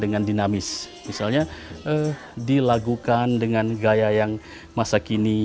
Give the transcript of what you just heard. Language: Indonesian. dengan dinamis misalnya dilagukan dengan gaya yang masa kini